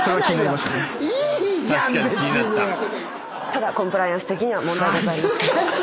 ただコンプライアンス的には問題ございません。